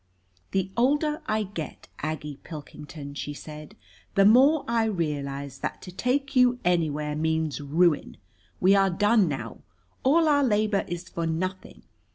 "] "The older I get, Aggie Pilkington," she said, "the more I realize that to take you anywhere means ruin. We are done now. All our labor is for nothing.